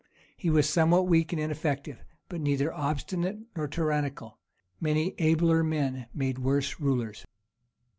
He was somewhat weak and ineffective, but neither obstinate nor tyrannical; many abler men made worse rulers.